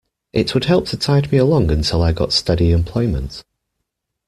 It would help to tide me along until I got steady employment.